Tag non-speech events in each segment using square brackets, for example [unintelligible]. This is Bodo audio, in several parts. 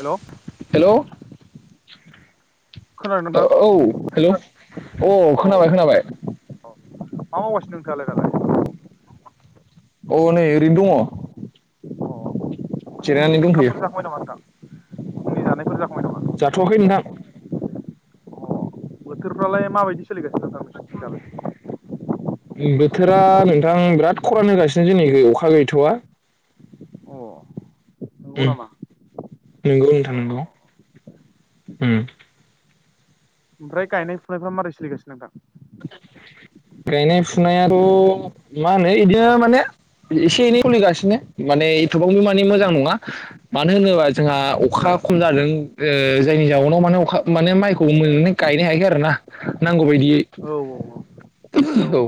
हेल'। हेलौ खोनादों नोंथां औ हेल' औ खोनाबाय खोनाबाय। माबा मावगासिनो नोंथांङालाय दालाय? अ नै ओरैनो दङ। अ फुंनि जिरायनानै दंथ'यो ओंखामफोर जाखांबाय नामा नोंथां फुंनि जानायफोर जाखांबाय नामा? जाथ'वाखै नोंथां। अ बोथोरफ्रालाय माबायदि सोलिगोन? उम्म बे थोरा नोंथां बिराद खरान होगासिनो जोंनि अखा गैथवा अ नंगौ उम नामा? नंगौ नोंथां अ नंगौ अ उम्म। ओमफ्राय गायनाय फुनायफ्रा मारै सोलिगासिनो नोंथां? गायनाय फुनायाथ' मा होनो बिदिनो माने एसे एनै सलिगासिनो माने एथबांबो माने मोजां नङा मानो होनोबा जोंहा औ अखा खम औ जादों ओ जायनि जाउनाव माने अखा माने माइखौ मोने हगायनो हायाखै आरो ना नांगौ बायदियै। औ औ।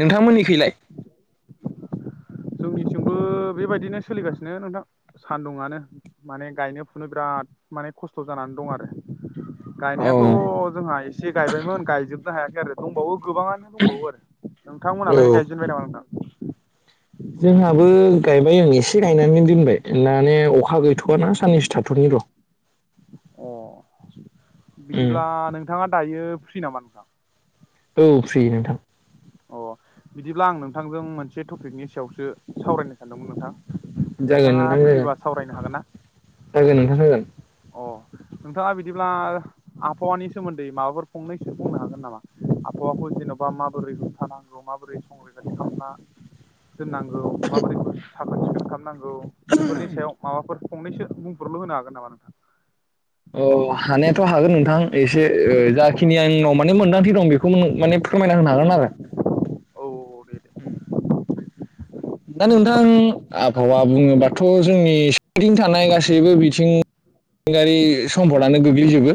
नोंथांमोननिखैलाय? जोंनिथिंबो बेबायदिनो सोलिगासिनो नोंथां सानदुआनो माने गायनो फुनो बिराद माने खस्थ' जाना दं आरो गायनायाथ औ जोंहा एसे गायबायमोन गायजोबनो हायाखै आरो दंबावो गोबाङानो दंबावो आरो नोंथांमोनहालाय औ गायजेनबाय नामा नोंथां? जोंहाबो गायबाय ओ आं एसे गायनानै दोनबाय माने अखा गैथवाना साननैसो थाथ'नि र' अ उम बिदिब्ला नोंथाङा दायो फ्रि नामा नोंथां? औ फ्रि नोंथां। अ बिदिब्ला आं नोंथांजों मोनसे टपिकनि सायावसो सावरायनो नदोंमोन नोंथां जागोन नोंथाङा नोंथां जागोन फ्रिबा सावरायनो हागोन ना? जागोन नोंथां जागोन अ नोंथाङा बिदिब्ला आबहावानि सोमोन्दै माबाफोर फंनैसो बुंनो हागोन नामा? आबहावाखौ जेनबा माबोरै होबथानांगौ माबोरै संरैखाथि खालामना दोननांगौ माबोरैफोर साखोन सिखोन खालामनांगौ बेफोरनि सायाव माबाफोर फंनैसो बुंफोरलु होनो हागोन नामा नोंथां? अ हानायाथ' हागोन नोंथां एसे औ जाखिनि आंनाव माने मोनदांथि दं बेखौ माने फोरमायना होनो हागोन आरो। [inaudible] दे उ दा नोंथां आबहावा बुङोबाथ' जोंनि सोरगिदिं थानाय गासैबो बिथिं मिथिंगायारि सम्पदानो गोग्लैजोबो।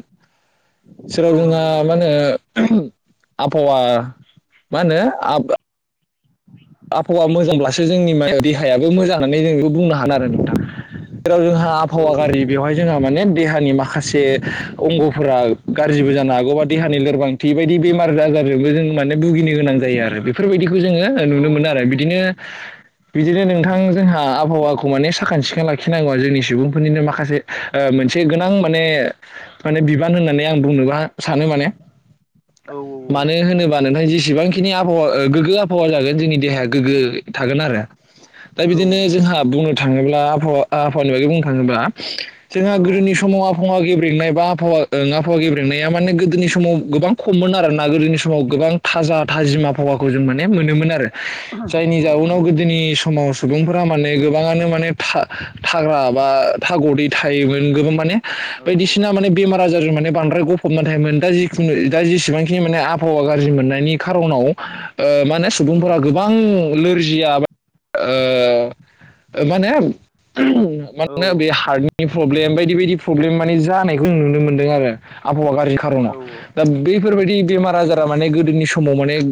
औ जेराव जोंहा नंगौ नंगौ मा नोंथां होनो आबहावा मा होनो आ आबहावा मोजांब्लासो जोंनि मा देहायाबो मोजां होननानै जों बेखौ बुंनो हागोन आरो नोंथां। जेराव जोंहा औ आबहावा गाज्रि बेवहाय जोंहा माने देहानि माखासे अंगफोरा गाज्रि बो जानो हागौबा देहानि लोरबांथि बायदि बेमार आजारजोंबो जों माने भुगिनो गोनां जायो आर बेफोरबायदिखौ जोङो औ नुनो औ मोनो नंगौ आरो नंगौ बिदिनो बिदिनो नोंथां जोंहा आबहावाखौ माने साखोन सिखोन लाखिनांगौआ जोंनि सुबुंफोरनिनो माखासे ओ मोनसे गोनां माने माने बिबान होननानै आं बुंनोबा सानो माने। [inaudible] मानो होनोबा नोंथां जेसेबांखिनि आबहावा गोग्गो आबहावा जागोन जोंनि देहाया गोग्गो थागोन आरो दा औ बिदिनो नंगौ जोंहा नंगौ बुंनो थाङोब्ला आबहावा आबावानि बागै बुंनो थाङोबा जोंहा औ गोदोनि समाव आबहावा गेब्रेनाय बा आबहावाल आ फावा गेब्रेंनाया माने गोदोनि समाव गोबां खममोन आरोना गोदोनि समाव गोबां थाजा थाजिमा हवाखौ जों माने मोनोमोन आरो जायनि औ जाउनाव नंगौ नंगौ गोदोनि समाव सुबुंफोरा माने गोबाङानो माने थाग्रा बा थागदै थायोमोन गोबां माने औ बायदिसिना माने बेमार आजारजों माने बांद्राय गफबनानै थायोमोन दा जिखुनु दाेसेबांखिनि माने आबहावा गाज्रि ज्रि मोन्नायनि खारनाव ओ माहोनो औ सुबुं फोरा गोबां नोरजिया बा ओ मानो औ माने बे हार्टनि नि प्रब्लेम बायदि बायदि प्रब्लेम माने जानायखौ जों नुनो मोनदों आरो आबहावा गाज्रिखौ खारनाव औ दा बैफोरबायदि बेमार औ आजारा माने गोदोनि समाव माने ओ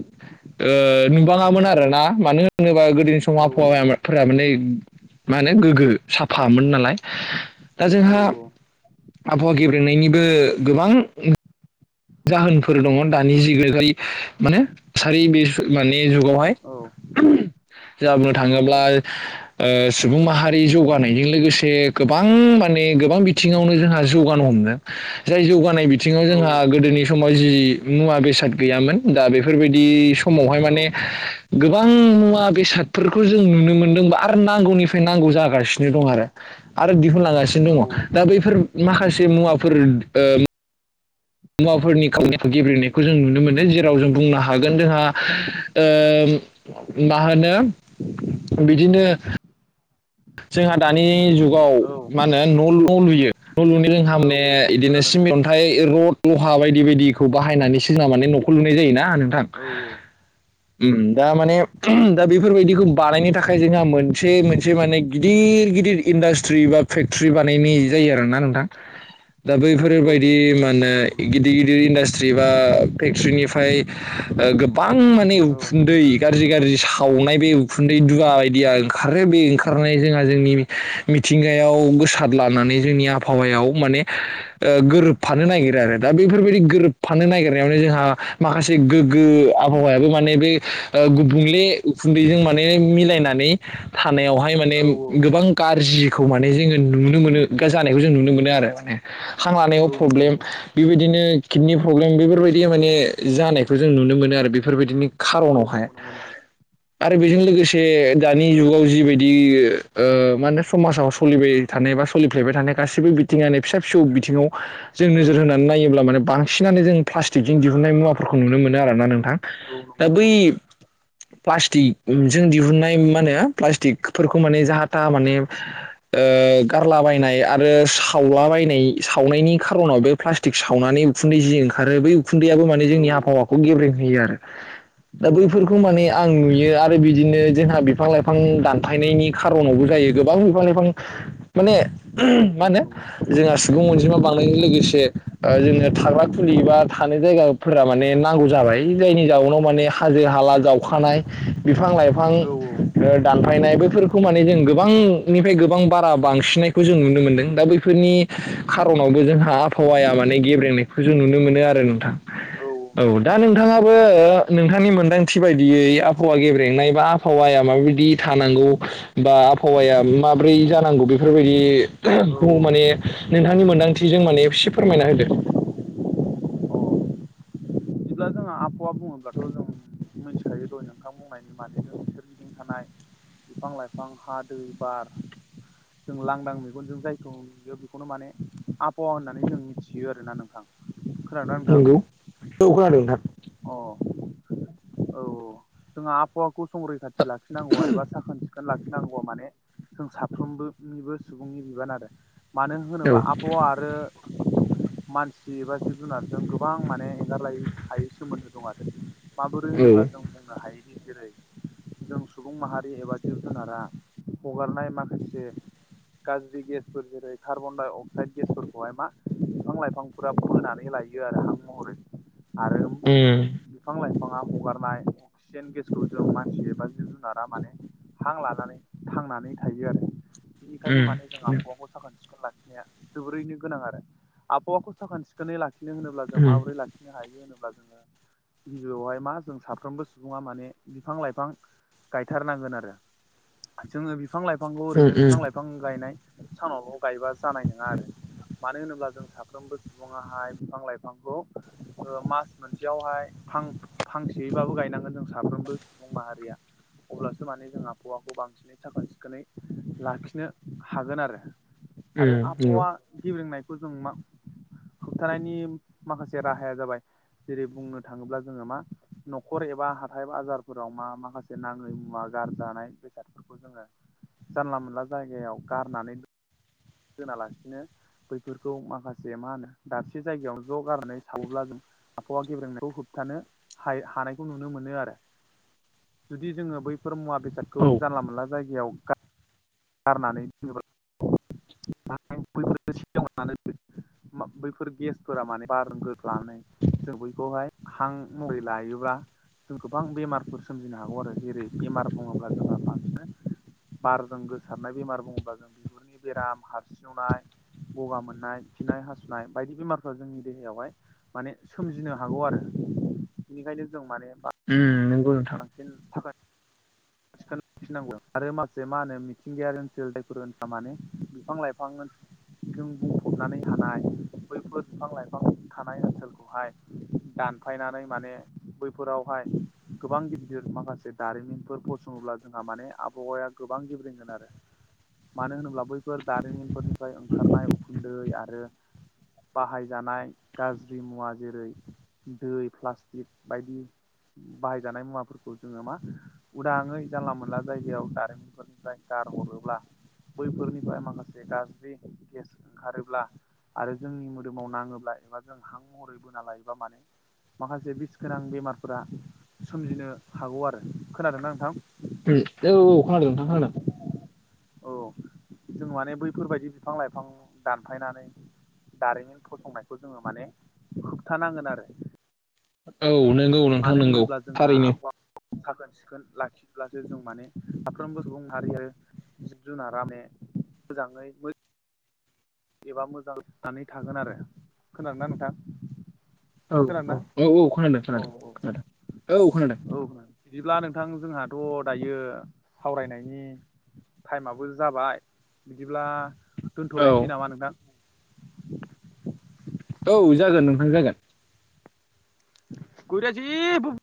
नुबां ङामोन आरोना मानो होनोबा गोदोनि समाव आबहावाया फोरा माने मा होनो गोग्गो साफामोन नालाय दा जोंहा आबहावा गेब्रेनायनिबो गोबां जाहोनफोर दङ दानि जिय माने थासारि बे माने जुगावहाय। [inaudible] जा बुंनो थाङोब्ला ओ सुबुं माहारि जौगानायजों लोगोसे गोबां माने नि गोबां बिथिङावनो जोंहा जौगानो हमदों जाय जौगानाय बिथिङाव जोंहा नि समाव जि मुवा बेसाद गैयामोन दा बेफोरबायदि समावहाय माने गोबां मुवा बेसादफोरखौ जों नुनो मोनदोंब आरो नांगौनिफ्राय नांगौ जागासिनो दं आरो। दिहुनलांगासिनो दङ दा बैफोर माखासे मुवाफोर ओ मुवाफोरनि खामानिखौ गेब्लेनायखौ जों नुनो मोनो जेराव जों बुंनो हागोन जोंहा ओ मा होनो बिदिनो जोंहा दानि जुगाव मा होनो न' न' लुयो। न' लुनि लोंहा माने इदिनो खोनादों दे सिमेन्ट नोंथां अन्थाइ रड लहा बायदि बायदिखौ बाहायनानै सोरोन माने न'खौ लुनाय जायोना नोंथां। औ उम दा माने दा बेफोरबायदिखौ बानायनो थाखाय जोंहा मोनसे मोनसे एसे माने गिदिर गिदिर इन्डास्ट्रि बा फेक्टर्रि बानायनाय जायो आरोना नोंथां। दा औ बैफोरबायदि नोंथां माने नंगौ नंगौ गिदिर गिदिर इडास्ट्रि जि बा फेक्ट्रिनिफ्राय ओ गोबां माने औ उखुन्दै गाज्रि गाज्रि साव संनाय बे उखुन्दै दुवा बायदिया ओंखारो बे खार ओंखारनाय जोंहा जोंनि मिथिंगायाव गोसाद लानानै जोंनि आबहावायाव माने ओ गोरोबफानो नागिरो आरो दा बेफोरबायदि गोरोबफानो नागिरनायावनो जोंहा माखासे गोग्गो आबहावायाबो माने बे ओ गुबुंले उखुन्दैजों माने मिलायनानै थानायाव हाय माने औ औ गोबां गाज्रिखौ माने जोङो नुनो मोनो जानायखौ जों नुनो मोनो आरो माने हां औ लानायाव नंगौ प्रब्लेम नंगौ बेबायदिनो किडनि प्रब्लेम बेफोरबायदि माने जानायखौ जों नुनो मोनो आरो। बेफोरबायदिनि औ खारनावहाय नंगौ नंगौ नोंथां आरो बेजों लोगोसे दानि औ जुगाव जिबायदि बि ओ माने समाजाव सोलिबाय थानाय बा सोलिफ्लायबाय थानाय गासिबो बिथिङानो फिसा फिसौ। थिंङाव जों औ नोजोर होनानै नायोब्ला माने बांसिनानो जों प्लास्टिकजों दिहुननाय मुवाफोरखौ नुनो मोनो आरोना नों। थां औ दा नंगौ बै नंगौ नोंथां प्लास्टिक जों दिहुननाय मा होनो प्लास्टिक फोरखौ माने जाहा थाहा माने ओ गारलाबायनाय आरो सावलाबायनाय सावनायनि खारनाव बे प्लास्टिक सावनानै नि उखुन्दै जि ओंखारो बै उखुन्दैयाबो माने औ जोंनि आबहावाखौ गेब्रेंहोयो आरो। दा औ नंगौ बैफोरखौ नंगौ माने नोंथां आं नुयो आरो बिदिनो जोंहा बिफां लाइफां दान फायनायनि खारनावबो जायो गोबां बिफां लाइफां माने औ मा होनो नंगौ नंगौ जों सुबुं बुं अनजिमा बांनायनायनि लोगोसे ओ जोंनो थाग्रा खुलि बा थानाय जायगाफोरा माने नांगौ जाबाय। जायनि जाउनाव माने हाजो हाला जावखानाय बिफां लाइफां औ ओ फायनाय बेफोरखौ माने जों गोबांनिफ्राय गोबां बारा बांसिननायखौ जों नुनो मोनदों दा बैफोरनि खार'नावबो जोंहा आबहावाया माने गेब्रेंनायखौ जों नुनो मोनो आरो नोंथां। औ नंगौ नंगौ दा नोंथां नोंथाङाबो नोंथांनि मोनदांथि बायदियै आबहावा गेब्रेंनाय बा आबहावाया माबायदि थानांगौ बा आबहावाया माब्रै जानांगौ औ बेफोरबायदिखौ अ माने नोंथांनि मोनदांथिजों माने एबसे फोरमायना होदो। [unintelligible] बिदिब्ला जोंहा आबहावा बुङोब्लाथ' जों मिथिखायो दहाय नोंथां बुंनायनि मादैनो बि सोरगिदिं थानाय बिफां लाइफां हा दै बार। जों लांदां मेगनजों जायखौ नुयो बेखौनो माने आबहावा होननानै जों मिथियो आरोना नोंथां। खोनादोना नोंथां? औ खोनादों नोंथां। औ औ जोंहा आबहावाखौ संरैखाथि लाखिनांगौआ एबा साखोन सिख खोन लाखिनांगौआ माने जों साफ्रोमबोनिबो सुबुंनि बिबान आरो। मानो होनोबा आबहावा आरो मानसि एबा जिब जुनारजों गोबां माने गारलाय हायै सोमोन्दो दं आरो माबोरै होनोब्ला जों बुंनो हायोदि जेरै जों सुबुं माहारि एबा जिब जुनारा हगारनाय माखासे गाज्रि गेसफोर जेरै कार्बनडाय-अक्साइद गेसफोरखौहाय मा बिफां लाइफांफोरा बोनानै ला यो आरो हां महरै आरो बिफां लाइफाङा हगारनाय अक्सिजेन गेसखौ जों मानसि एबा जिब जुनारा माने हां लानानै थांनानै थायो आरो बेनिखायनो माने जों आबहावाखौबो साखोन सिखोन लाखि नाया जोबोरैनो गोनां आरो आबहावाखौ साखोन सिखोनै लाखि नो होनोब्ला जों माबोरै लाखिनो हायो होनोब्ला जोङो गिबियावहाय मा जों साफ्रोमबो सुबुङा माने बिफां लाइफां गायथारनांगोन आरो जोङो बिफां लाइफांखौ ओरैनो बिफां लाइफां गायनाय सानावल' गायबा जानाय नङा आरो मानो होनोब्ला जों साफ्रोमबो सुबुङाहाय बिफां लाइफांखौ मास मोनसेयावहाय फां फांसेयैबाबो गायनांगोन जों साफ्रोमबो सुबुं माहारिया अब्लासो माने जों आबहावाखौ बांसिनै साखोन सिखोनै लाखिनो हागोन आरो आरो आबहावा गेब्रेंनायखौ जों मा होबथानायनि माखासे राहाया जाबाय जेरै बुंनो थाङोब्ला जोङो मा न'खर एबा हाथाय बाजारफोराव मा माखासे नाङै मुवा गारजानाय बेसादफोरखौ जोङो जानला मोनला जायगायाव गारनानै दं। दोनालासिनो बैफोरखौ माखासे मा होनो दाबसे जायगायाव ज' गारनानै साबोब्ला जों आबहावा गेब्रेंनायखौ होबथानो हाय हानायखौ नुनो मोनो आरो जुदि जोङो बैफोर मुवा बेसादखौ जानला मोनला जायगायाव गा गारनानैदोनोब्ला बैफोरखौ सेवनानै दोनदो बैफोर गेसफोरा माने बारगोलानानै जों बैखौहाय हां महै लायोब्ला जों गोबां बेमारफोर सोमजिनो हागौ आरो जेरै बेमार बुङोब्ला जोंहा बांसिन बार जों गोस सारनाय बेमार बुङोब्ला जों बिगुरनि बेराम हारसिवनाय गगा मोननाय खिनाय हासुनाय बायदि बायदि बेमार जोंनि देहायावहाय माने सोमजिनो हागौ आरो बेनिखायनो जों माने नंगौ बांसिन थाखाय खोनिनांगौ आरो माखासे मा होनो मिथिंगायारि ओनसोल दैफोर ओनसोल माने बिफां लाइफां ओन जों बुंफबनानै थानाय बैफोर बिफां लाइफां थानाय ओनसोलखौहाय दानफायनानै माने बैफोरावहाय गोबां गिदिर माखासे दारिमिनफोर फसङोब्ला जोंहा माने आबहावाया गोबां गेब्रेंगोन आरो मानो होनोब्ला बैफोर दारिमिनफोरनिफ्राय ओंखारनाय उखुन्दै आरो बाहायजानाय गाज्रि मुवा जेरै दै प्लास्टिक बायदि बाहायजानाय मुवाफोरखौ जोङो मा उदाङै जानला मोनला जायगायाव कारेन्टफोरनिफ्राय गारहरो ब्ला बैफोरनिफ्राय माखासे गाज्रि गेस ओंखारोब्ला आरो जोंनि मोदोमाव नाङोब्ला एबा जों हां महरै बोना लायोबा माने माखासे बिस गोनां बेमारफोरा सोमजिनो हागौ आरो खोनादोंना नोंथां? औ औ खोनादों नोंथां खोनादों औ औ जों माने बैफोरबायदि बिफां लाइफां दानफायनानै दारिमिन फसंनायखौ जोङो माने होबथानांगोन आरो औ नोंगौ नोंथां मानो नोंगौ होनोब्ला जोंहा थारैनो आबहावा साखोन सिखोन लाखिब्लासो जों माने साफ्रोमबो सुबुं माहारि आरो जिब-जुनारा ने मोजाङै मै एबा मोजांनानै थागोन आरो खोनादोंना नोंथां? औ खोनादोंना औ औ औ खोनादों औ खोनादों खोनादों औ खोनादों औ खोनादों। बिदिब्ला नोंथां जोंहाथ' दायो सावरायनायनि टाइमाबो जाबाय बिदिब्ला औ दोन्थ'लायनोसै [unintelligible] औ जागोन नोंथां जागोन। गुरु जि बुब